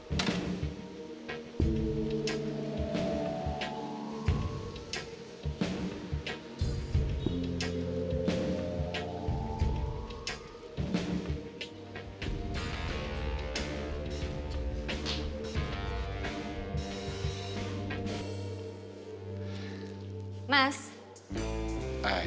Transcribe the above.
hai mas hai